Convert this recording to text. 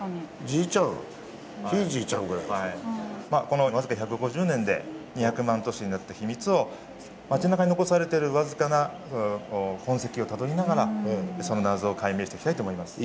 この僅か１５０年で２００万都市になった秘密を町なかに残されてる僅かな痕跡をたどりながらその謎を解明していきたいと思います。